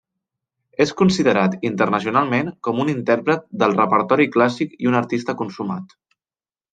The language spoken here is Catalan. És considerat internacionalment com un intèrpret del repertori clàssic i un artista consumat.